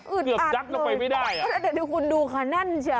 อึดอัดอุ๊ยเกือบดักลงไปไม่ได้อุ๊ยเดี๋ยวคุณดูค่ะนั่นเชีย